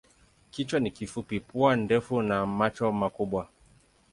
Kichwa ni kifupi, pua ndefu na macho makubwa.